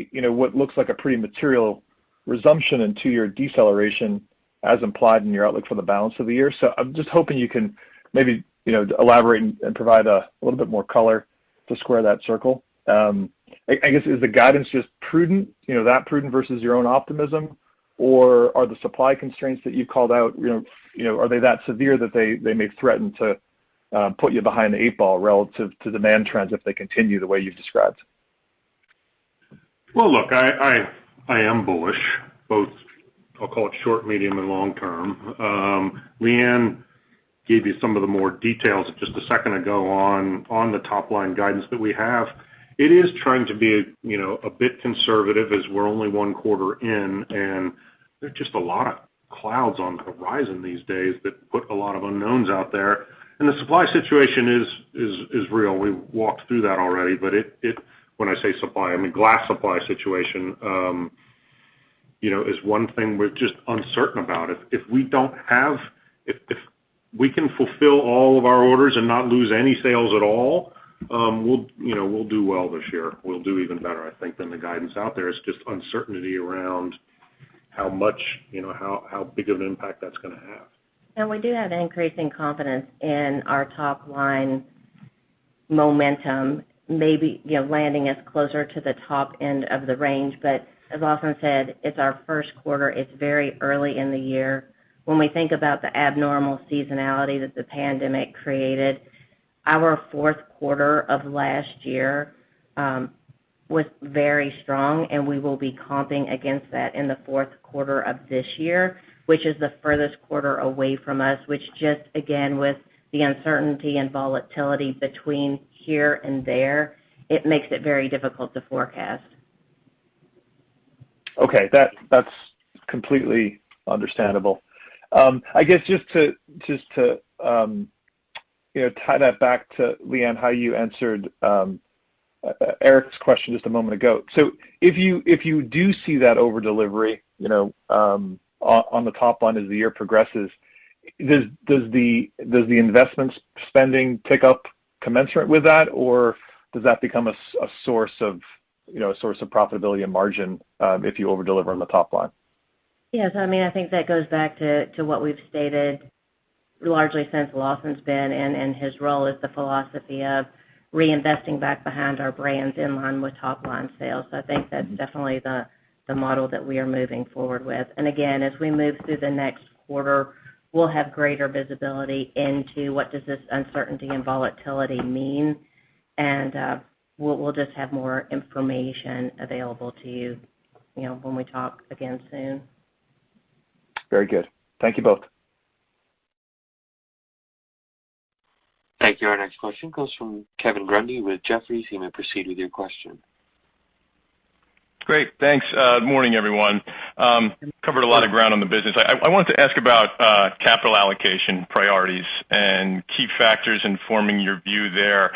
what looks like a pretty material resumption in two-year deceleration as implied in your outlook for the balance of the year. I'm just hoping you can maybe elaborate and provide a little bit more color to square that circle. I guess, is the guidance just prudent? That prudent versus your own optimism, or are the supply constraints that you called out, are they that severe that they may threaten to put you behind the eight-ball relative to demand trends if they continue the way you've described? Well, look, I am bullish, both, I'll call it short, medium, and long-term. Leanne gave you some of the more details just a second ago on the top-line guidance that we have. It is trying to be a bit conservative as we're only one quarter in, and there are just a lot of clouds on the horizon these days that put a lot of unknowns out there. The supply situation is real. We walked through that already. When I say supply, I mean glass supply situation is one thing we're just uncertain about. If we can fulfill all of our orders and not lose any sales at all, we'll do well this year. We'll do even better, I think, than the guidance out there. It's just uncertainty around how big of an impact that's going to have. We do have increasing confidence in our top-line momentum, maybe landing us closer to the top end of the range. As Lawson said, it's our first quarter, it's very early in the year. When we think about the abnormal seasonality that the pandemic created, our fourth quarter of last year was very strong, and we will be comping against that in the fourth quarter of this year, which is the furthest quarter away from us, which just, again, with the uncertainty and volatility between here and there, it makes it very difficult to forecast. Okay. That's completely understandable. I guess just to tie that back to, Leanne, how you answered Eric's question just a moment ago. If you do see that over-delivery on the top line as the year progresses, does the investments spending pick up commensurate with that? Or does that become a source of profitability and margin if you over-deliver on the top line? Yes. I think that goes back to what we've stated largely since Lawson's been in his role is the philosophy of reinvesting back behind our brands in line with top-line sales. I think that's definitely the model that we are moving forward with. Again, as we move through the next quarter, we'll have greater visibility into what does this uncertainty and volatility mean. We'll just have more information available to you when we talk again soon. Very good. Thank you both. Thank you. Our next question comes from Kevin Grundy with Jefferies. You may proceed with your question. Great. Thanks. Good morning, everyone. Covered a lot of ground on the business. I wanted to ask about capital allocation priorities and key factors in forming your view there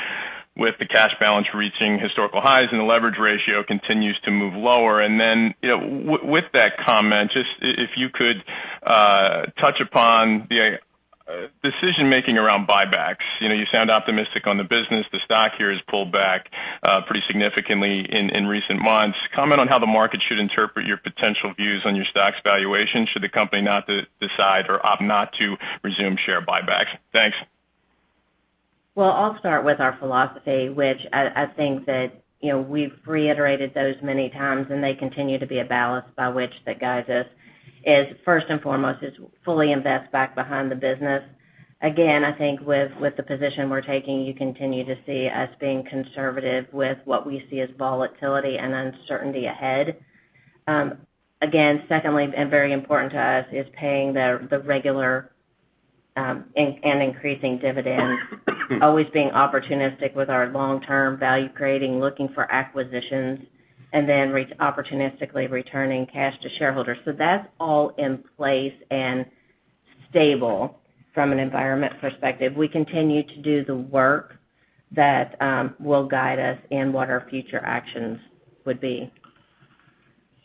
with the cash balance reaching historical highs and the leverage ratio continues to move lower. With that comment, just if you could touch upon the decision-making around buybacks. You sound optimistic on the business. The stock here has pulled back pretty significantly in recent months. Comment on how the market should interpret your potential views on your stock's valuation should the company not decide or opt not to resume share buybacks. Thanks. Well, I'll start with our philosophy, which I think that we've reiterated those many times, and they continue to be a ballast by which that guides us is first and foremost, is fully invest back behind the business. Again, I think with the position we're taking, you continue to see us being conservative with what we see as volatility and uncertainty ahead. Again, secondly, and very important to us, is paying the regular, and increasing dividends, always being opportunistic with our long-term value creating, looking for acquisitions, and then opportunistically returning cash to shareholders. That's all in place and stable from an environment perspective. We continue to do the work that will guide us in what our future actions would be.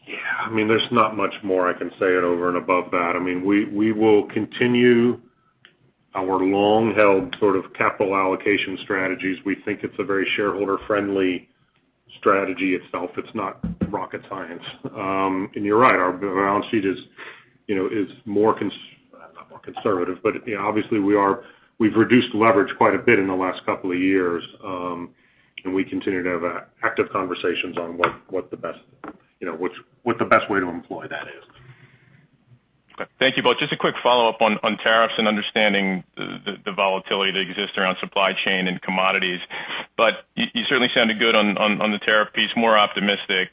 Yeah, there's not much more I can say over and above that. We will continue our long-held sort of capital allocation strategies. We think it's a very shareholder-friendly strategy itself. It's not rocket science. You're right, our balance sheet is more, not more conservative, but obviously we've reduced leverage quite a bit in the last couple of years. We continue to have active conversations on what the best way to employ that is. Okay. Thank you both. Just a quick follow-up on tariffs and understanding the volatility that exists around supply chain and commodities. You certainly sounded good on the tariff piece, more optimistic.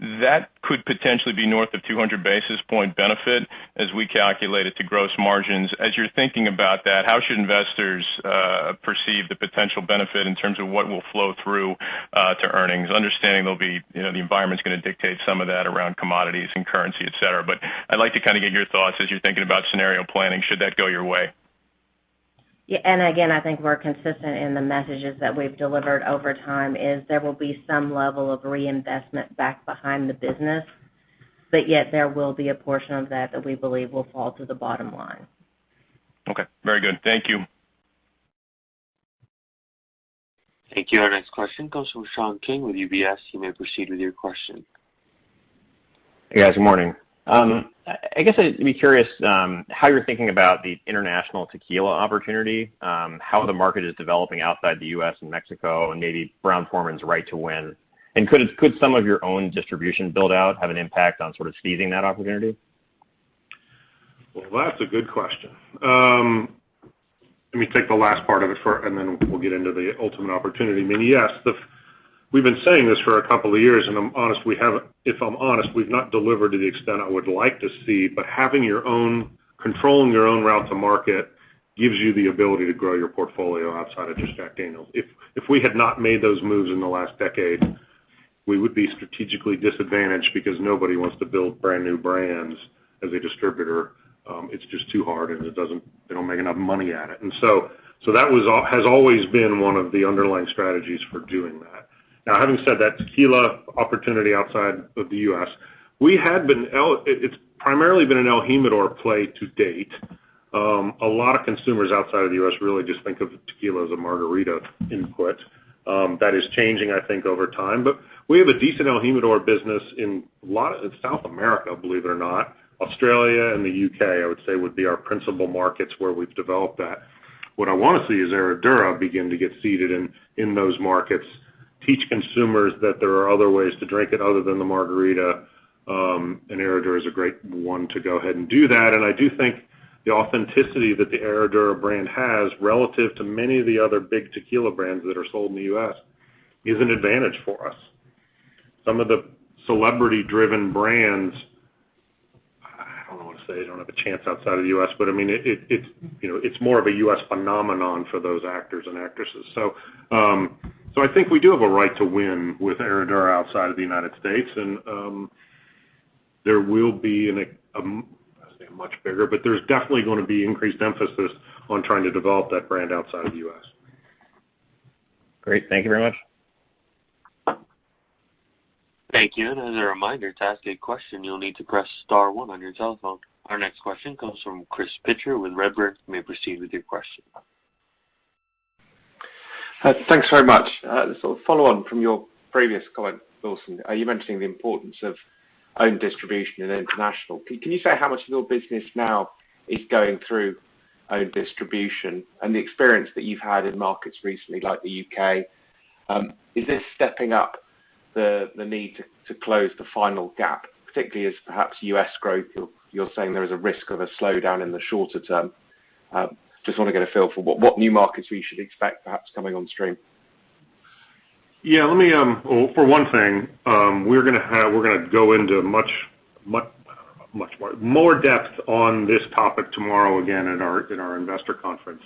That could potentially be north of 200 basis point benefit as we calculate it to gross margins. As you're thinking about that, how should investors perceive the potential benefit in terms of what will flow through to earnings? Understanding the environment's going to dictate some of that around commodities and currency, et cetera. I'd like to kind of get your thoughts as you're thinking about scenario planning should that go your way. Yeah. Again, I think we're consistent in the messages that we've delivered over time is there will be some level of reinvestment back behind the business, but yet there will be a portion of that that we believe will fall to the bottom line. Okay. Very good. Thank you. Thank you. Our next question comes from Sean King with UBS. You may proceed with your question. Hey, guys. Good morning. I guess I'd be curious how you're thinking about the international tequila opportunity, how the market is developing outside the U.S. and Mexico, and maybe Brown-Forman's right to win. Could some of your own distribution build-out have an impact on sort of seizing that opportunity? Well, that's a good question. Let me take the last part of it first, then we'll get into the ultimate opportunity. Yes. We've been saying this for a couple of years, if I'm honest, we've not delivered to the extent I would like to see, but having your own, controlling your own route to market gives you the ability to grow your portfolio outside of just Jack Daniel's. If we had not made those moves in the last decade, we would be strategically disadvantaged because nobody wants to build brand-new brands as a distributor. It's just too hard, they don't make enough money at it. That has always been one of the underlying strategies for doing that. Now, having said that, tequila opportunity outside of the U.S., it's primarily been an el Jimador play to date. A lot of consumers outside of the U.S. really just think of tequila as a margarita input. That is changing, I think, over time. We have a decent el Jimador business in South America, believe it or not. Australia and the U.K., I would say, would be our principal markets where we've developed that. What I want to see is Herradura begin to get seated in those markets, teach consumers that there are other ways to drink it other than the margarita, and Herradura is a great one to go ahead and do that. I do think the authenticity that the Herradura brand has, relative to many of the other big tequila brands that are sold in the U.S., is an advantage for us. Some of the celebrity-driven brands, I don't want to say they don't have a chance outside of the U.S., but it's more of a U.S. phenomenon for those actors and actresses. I think we do have a right to win with Herradura outside of the United States, and there will be, I wouldn't say much bigger, but there's definitely going to be increased emphasis on trying to develop that brand outside of the U.S. Great. Thank you very much. Thank you. As a reminder, to ask a question, you'll need to press star one on your telephone. Our next question comes from Chris Pitcher with Redburn. You may proceed with your question. Thanks very much. Just a follow on from your previous comment, Lawson. You mentioned the importance of owned distribution in international. Can you say how much of your business now is going through owned distribution, and the experience that you've had in markets recently, like the U.K.? Is this stepping up the need to close the final gap, particularly as perhaps U.S. growth, you're saying there is a risk of a slowdown in the shorter term. Just want to get a feel for what new markets we should expect, perhaps, coming on stream. Yeah. For one thing, we're going to go into more depth on this topic tomorrow, again, in our investor conference.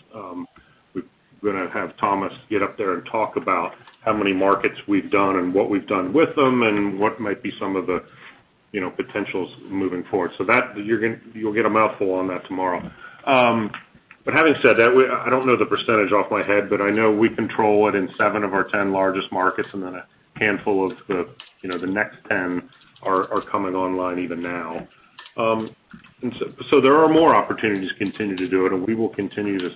We're going to have Thomas get up there and talk about how many markets we've done and what we've done with them and what might be some of the potentials moving forward. You'll get a mouthful on that tomorrow. Having said that, I don't know the percentage off my head, but I know we control it in seven of our 10 largest markets, and then a handful of the next 10 are coming online even now. There are more opportunities to continue to do it, and we will continue to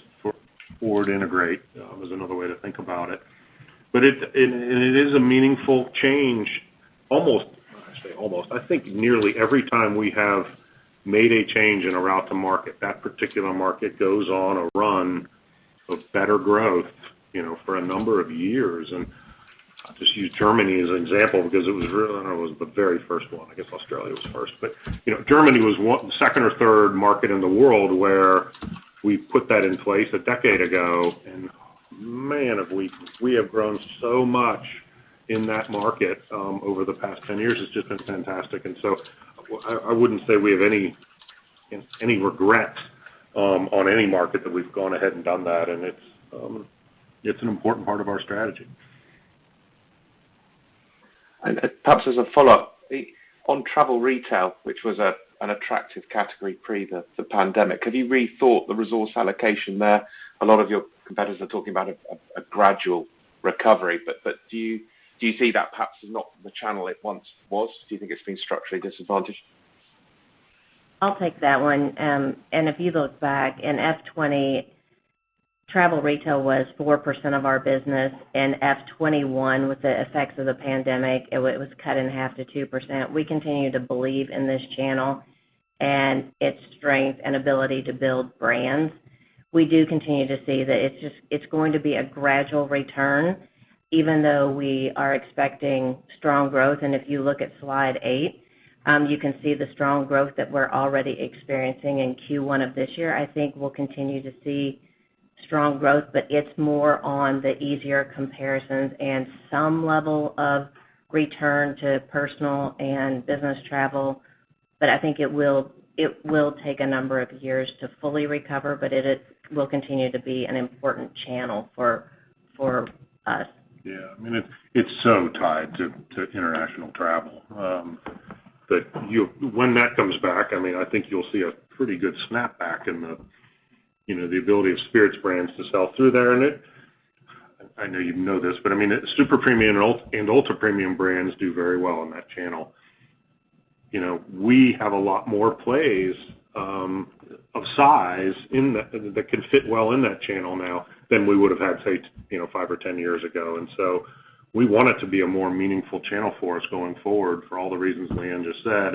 forward integrate, as another way to think about it. It is a meaningful change almost, I think nearly every time we have made a change in a route to market, that particular market goes on a run of better growth for a number of years. I'll just use Germany as an example because it was the very first one. I guess Australia was first. Germany was the second or third market in the world where we put that in place a decade ago, and man, have we, we have grown so much in that market over the past 10 years. It's just been fantastic. I wouldn't say we have any regrets on any market that we've gone ahead and done that, and it's an important part of our strategy. Perhaps as a follow-up, on travel retail, which was an attractive category pre the pandemic, have you rethought the resource allocation there? A lot of your competitors are talking about a gradual recovery. Do you see that perhaps as not the channel it once was? Do you think it's been structurally disadvantaged? I'll take that one. If you look back, in F 2020, travel retail was 4% of our business. In F 2021, with the effects of the pandemic, it was cut in half to 2%. We continue to believe in this channel and its strength and ability to build brands. We do continue to see that it's going to be a gradual return, even though we are expecting strong growth. If you look at slide eight, you can see the strong growth that we're already experiencing in Q1 of this year. I think we'll continue to see strong growth, but it's more on the easier comparisons and some level of return to personal and business travel. I think it will take a number of years to fully recover, but it will continue to be an important channel for us. Yeah. It's so tied to international travel. When that comes back, I think you'll see a pretty good snapback in the ability of spirits brands to sell through there. I know you know this, but super premium and ultra premium brands do very well on that channel. We have a lot more plays of size that can fit well in that channel now than we would have had, say, five or 10 years ago. We want it to be a more meaningful channel for us going forward for all the reasons Leanne just said.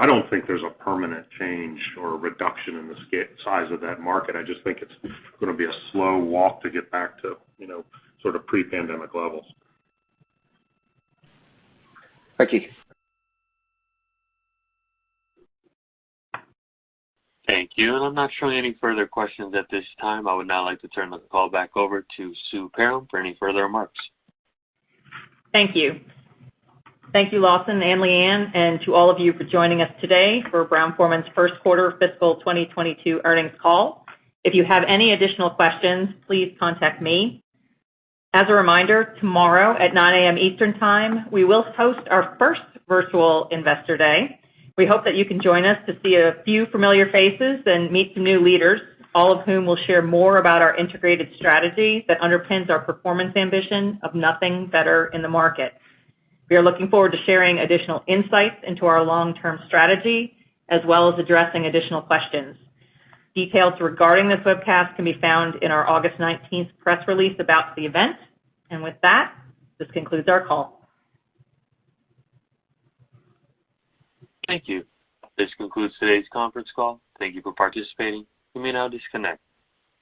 I don't think there's a permanent change or reduction in the size of that market. I just think it's going to be a slow walk to get back to pre-pandemic levels. Thank you. Thank you. I'm not showing any further questions at this time. I would now like to turn the call back over to Sue Perram for any further remarks. Thank you. Thank you, Lawson and Leanne, and to all of you for joining us today for Brown-Forman's first quarter fiscal 2022 earnings call. If you have any additional questions, please contact me. As a reminder, tomorrow at 9:00 A.M. Eastern Time, we will host our first virtual Investor Day. We hope that you can join us to see a few familiar faces and meet some new leaders, all of whom will share more about our integrated strategy that underpins our performance ambition of nothing better in the market. We are looking forward to sharing additional insights into our long-term strategy, as well as addressing additional questions. Details regarding this webcast can be found in our August 19th press release about the event. With that, this concludes our call. Thank you. This concludes today's conference call. Thank you for participating. You may now disconnect.